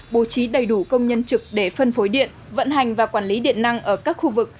bố trí đầy đủ công nhân trực để phân phối điện vận hành và quản lý điện năng ở các khu vực